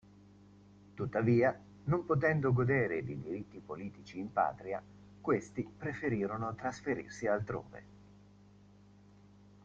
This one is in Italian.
Tuttavia, non potendo godere di diritti politici in patria, questi preferirono trasferirsi altrove.